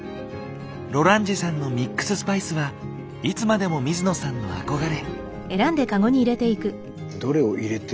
ロランジェさんのミックススパイスはいつまでも水野さんの憧れ。